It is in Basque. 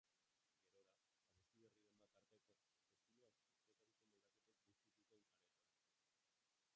Gerora, abesti berriren bat tarteko, estilo askotariko moldaketek busti zuten aretoa.